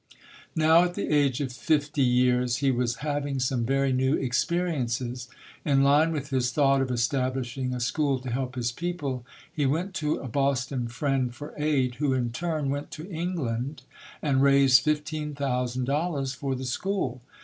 Now, at the age of fifty years, he was having some very new experiences. In line with his thought of establishing a school to help his people, he went to a Boston friend for aid, who in turn went to England and raised $15,000 for the school.